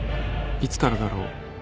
いつからだろう